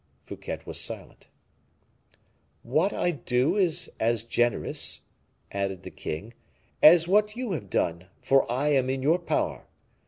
Fouquet was silent. "What I do is as generous," added the king, "as what you have done, for I am in your power.